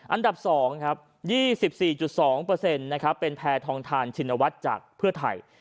อันดับ๒๒๔๒เป็นแผ่ทองทานชินวัฒน์จากเพื่อไทย